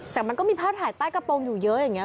แต่มันก็มีภาพถ่ายใต้กระโปรงอยู่เยอะอย่างนี้